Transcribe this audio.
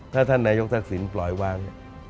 ถ้าท่านนายกทักษิณปล่อยวางเนี่ย